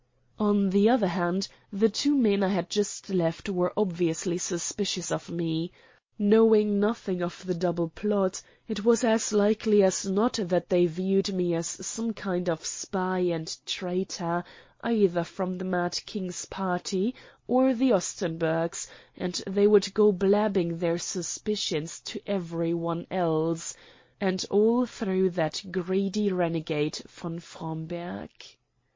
On the other hand the two men I had just left were obviously suspicious of me. Knowing nothing of the double plot, it was as likely as not that they viewed me as some kind of spy and traitor, either from the mad King's party or the Ostenburgs; and they would go blabbing their suspicions to every one else. And all through that greedy renegade von Fromberg.